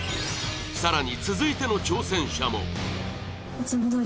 更に続いての挑戦者もお！